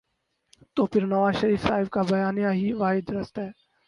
تو پھر نوازشریف صاحب کا بیانیہ ہی واحد راستہ ہے۔